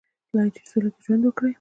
آیا چې په سوله کې ژوند وکړي؟